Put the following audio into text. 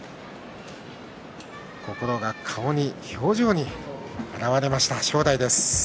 心が顔に、表情にあらわれました正代です。